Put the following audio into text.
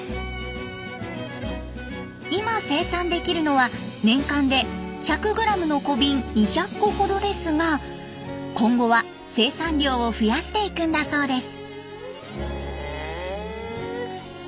今生産できるのは年間で１００グラムの小瓶２００個ほどですが今後は生産量を増やしていくんだそうです。